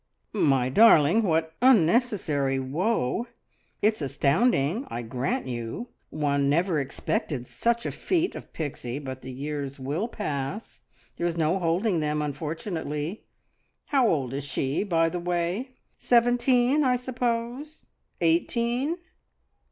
"My darling, what unnecessary woe! It's astounding, I grant you; one never expected such a feat of Pixie; but the years will pass there's no holding them, unfortunately. How old is she, by the way? Seventeen, I suppose eighteen?"